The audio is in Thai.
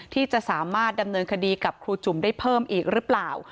ที่จะสามารถดำเนินคดีกับครูจุ๋มได้เพิ่มอีกหรือเปล่า